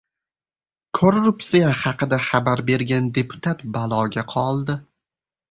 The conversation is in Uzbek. Korruptsiya haqida xabar bergan deputat baloga qoldi